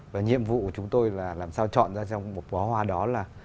và nhiệm vụ của chúng tôi là làm sao chọn ra trong một bó hoa đó là